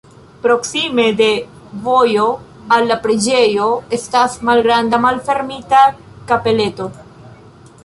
Proksime de vojo al la preĝejo estas malgranda malfermita kapeleto.